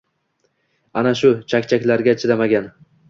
Ana shu “chak-chak”larga chidamagan.